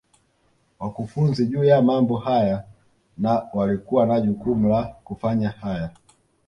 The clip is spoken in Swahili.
wakufunzi juu ya mambo haya na walikuwa na jukumu la kufanya haya